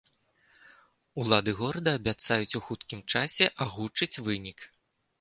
Улады горада абяцаюць у хуткім часе агучыць вынік.